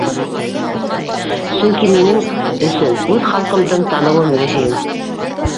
Сөнки минең өсөн үҙ халҡымдың таныуы мөһим.